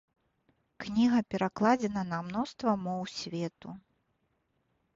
Кніга перакладзена на мноства моў свету.